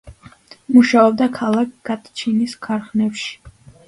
მუშაობდა ქალაქ გატჩინის ქარხნებში.